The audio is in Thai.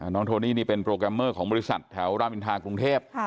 โทนี่นี่เป็นโปรแกรมเมอร์ของบริษัทแถวรามอินทากรุงเทพ